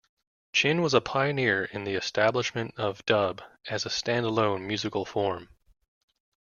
Chin was a pioneer in the establishment of dub as a standalone musical form.